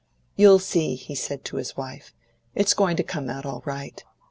"You'll see," he said to his wife; "it's going to come out all right.